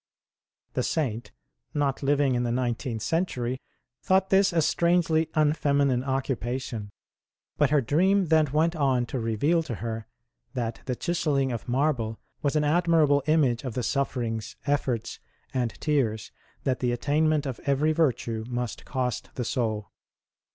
I he Saint not living in the nineteenth cen turythought this a strangely unfcrninine occu pation ; but her dream then went on to reveal to her that the chiselling of marble was an admirable image of the sufferings, efforts, and tears that the attainment of every virtue must cost the soul.